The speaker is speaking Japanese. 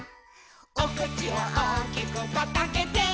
「おくちをおおきくパッとあけて」